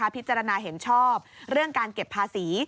พิจารณาเห็นชอบเรื่องการเก็บภาษี